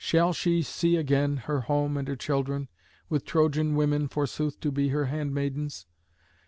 Shall she see again her home and her children, with Trojan women forsooth to be her handmaidens?